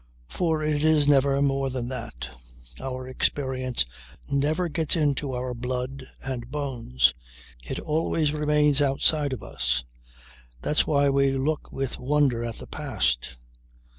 For it is never more than that. Our experience never gets into our blood and bones. It always remains outside of us. That's why we look with wonder at the past.